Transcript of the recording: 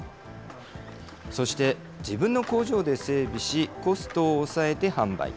そして、自分の工場で整備し、コストを抑えて販売。